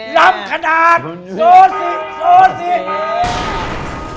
ลำขนาดโซสิโซสิ